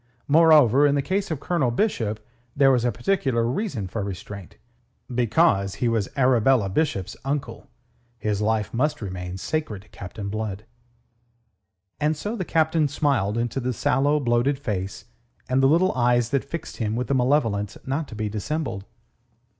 Moreover, in the case of Colonel Bishop there was a particular reason for restraint. Because he was Arabella Bishop's uncle, his life must remain sacred to Captain Blood. And so the Captain smiled into the sallow, bloated face and the little eyes that fixed him with a malevolence not to be dissembled.